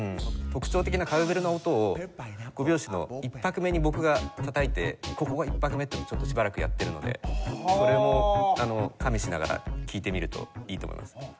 特徴的なカウベルの音を５拍子の１拍目に僕がたたいてここが１拍目っていうのをちょっとしばらくやってるのでそれも加味しながら聴いてみるといいと思います。